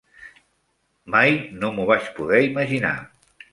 Mai no m'ho vaig poder imaginar.